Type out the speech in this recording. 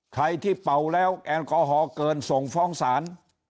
ใครที่เป่าแล้วแอลกอฮอลเกินส่งฟ้องศาล